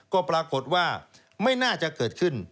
ก็ปรากฏว่าไม่น่าจะเกิดขึ้น